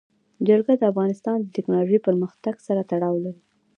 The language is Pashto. جلګه د افغانستان د تکنالوژۍ پرمختګ سره تړاو لري.